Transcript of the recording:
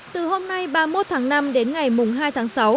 từ hôm nay ba mươi một tháng năm đến ngày hai tháng sáu